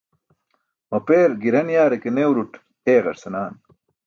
Mapeer giran yaare ke newruṭ eeeġar senaan.